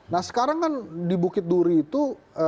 nah sekarang kan di bukit duri itu